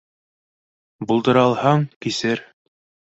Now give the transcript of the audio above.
Булдыра алһаң, кисер